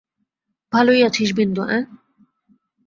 ভালোই আছিস বিন্দু, অ্যাঁ?